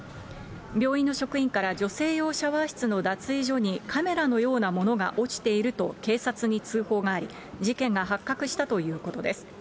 病院の職員から女性用シャワー室の脱衣所にカメラのようなものが落ちていると警察に通報があり、事件が発覚したということです。